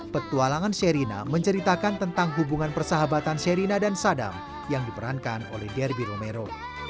petualangan sherina menceritakan tentang hubungan persahabatan sherina dan sadam yang diperankan oleh derby romero